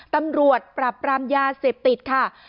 ตำรวจปรับปรามยาเสพติดค่ะ